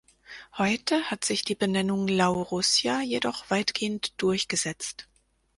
Heute hat sich die Benennung "Laurussia" jedoch weitgehend durchgesetzt.